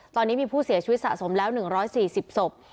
ตอนนี้มีผู้เสียชีวิตสะสมแล้ว๑๔๐ศพ